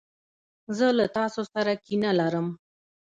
زه له تاسو سره کینه لرم.